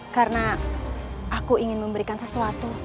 karena aku ingin memberikan sesuatu